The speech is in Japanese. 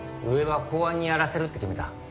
上は公安にやらせるって決めた。